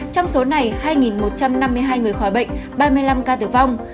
trong số này hai một trăm năm mươi hai người khỏi bệnh ba mươi năm ca tử vong